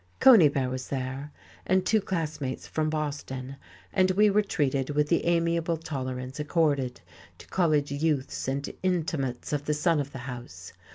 Conybear was there, and two classmates from Boston, and we were treated with the amiable tolerance accorded to college youths and intimates of the son of the house.